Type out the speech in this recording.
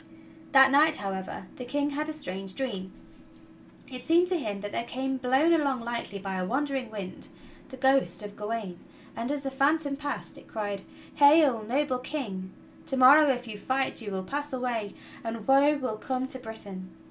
That night, however, the King had a strange dream. It seemed to him that there came, blown along lightly by a wandering wind, the ghost of Gawain, and as the phantom passed it cried: "Hail, noble King! To morrow if you fight you will pass away and woe will come to Britain.